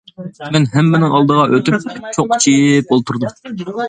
مەن ھەممىنىڭ ئالدىغا ئۆتۈپ چوقچىيىپ ئولتۇردۇم.